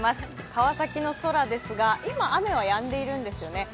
川崎の空ですが、今、雨はやんでいるんですよね。